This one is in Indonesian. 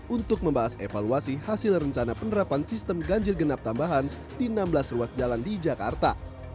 untuk membahas evaluasi hasil rencana penerapan sistem ganjil genap tambahan di enam belas ruas jalan di jakarta